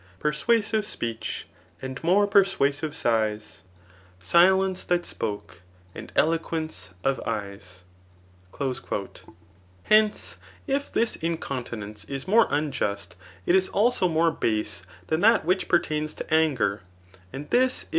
Persuasive speech, and more persuasive sighs. Silence that spoke, and eloquence of eyes. • Hence, if this incontinence is more unjust, it is dso more base than that which pertains to anger, and this is mk» ■ Iliad, 14, V.